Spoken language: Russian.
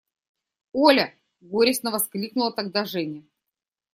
– Оля! – горестно воскликнула тогда Женя.